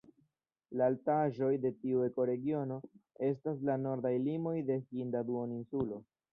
La altaĵoj de tiu ekoregiono estas la nordaj limoj de Hinda duoninsulo.